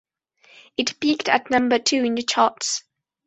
It peaked at number two in the charts.